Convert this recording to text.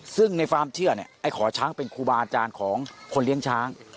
ซึ่งในความเชื่อเนี่ยไอ้ขอช้างเป็นครูบาอาจารย์ของคนเลี้ยงช้าง